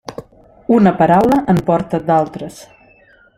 Una paraula en porta d'altres.